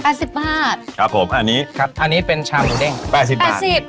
สิบบาทครับผมอันนี้ครับอันนี้เป็นชาหมูเด้งแปดสิบบาทแปดสิบ